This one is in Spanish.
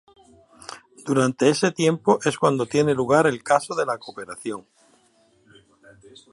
Durante ese tiempo es cuando tiene lugar el "caso de la cooperación".